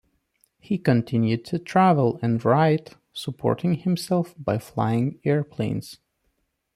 He continued to travel and write, supporting himself by flying airplanes.